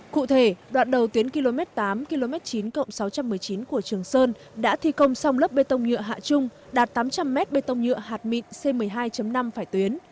cụ thể đoạn đầu tuyến km tám km chín sáu trăm một mươi chín của trường sơn đã thi công xong lớp bê tông nhựa hạ trung đạt tám trăm linh m bê tông nhựa hạt mịn c một mươi hai năm phải tuyến